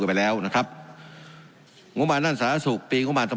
ให้ไปแล้วนะครับงุมันนั่นสรรคสุทธิ์ปีหกสามตอน